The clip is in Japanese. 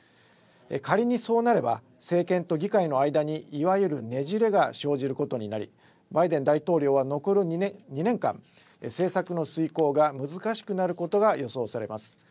仮にそうなれば政権と議会の間にいわゆるねじれが生じることになりバイデン大統領は残る２年間、政策の遂行が難しくなることが予想されます。